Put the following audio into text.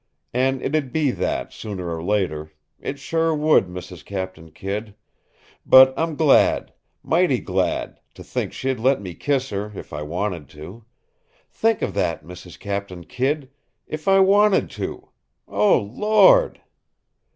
And it'd be that, sooner or later. It sure would, Mrs. Captain Kidd. But I'm glad, mighty glad, to think she'd let me kiss her if I wanted to. Think of that, Mrs. Captain Kidd! if I wanted to. Oh, Lord!"